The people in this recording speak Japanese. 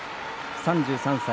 ３３歳。